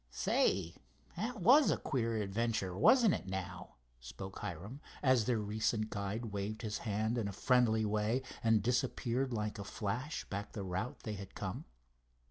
"Say, that was a queer adventure, wasn't it now?" spoke Hiram, as their recent guide waved his hand in a friendly way and disappeared like a flash back the route they had come.